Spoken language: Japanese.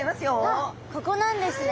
あっここなんですね。